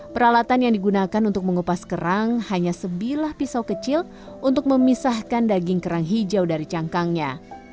peralatan yang digunakan untuk mengupas kerang hanya sebilah pisau kecil untuk memisahkan daging kerang hijau dari cangkangnya